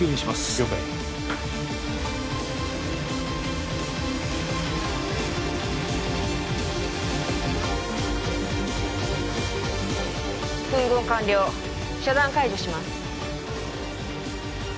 了解吻合完了遮断解除します